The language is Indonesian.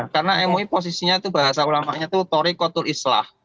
karena mui posisinya bahasa ulama'nya itu toriqotul islah